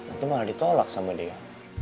itu malah ditolak sama dia